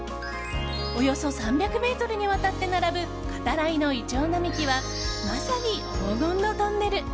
およそ３００ｍにわたって並ぶかたらいのイチョウ並木はまさに黄金のトンネル。